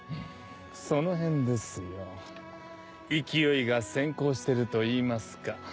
そのへんですよ勢いが先行してるといいますか。